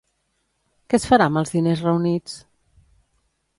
Què es farà amb els diners reunits?